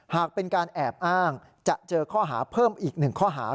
หากเป็นการแอบอ้างจะเจอข้อหาเพิ่มอีก๑ข้อหา